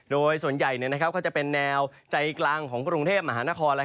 โดยส่วนใหญ่ก็จะเป็นแนวใจกลางของกรุงเทพมหานคร